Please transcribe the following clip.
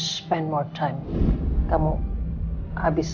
jin mencionnya apa sih